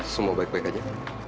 semua baik baik aja